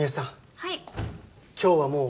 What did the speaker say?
はい。